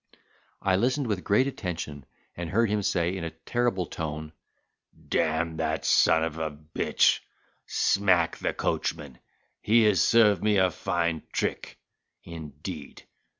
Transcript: I listened with great attention, and heard him say, in a terrible tone, "D—n that son of a b—h, Smack the coachman; he has served me a fine trick, indeed!